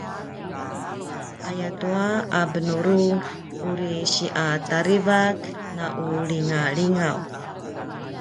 ayatua a benuru uri si’a tarivak na u lingalingaw